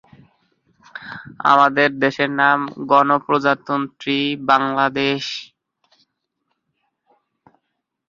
চলচ্চিত্রটির মাধ্যমে অঞ্জু ঘোষ চলচ্চিত্রাঙ্গনে পা রাখেন।